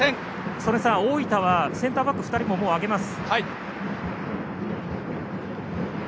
曽根さん、大分はセンターバック２人も上げます。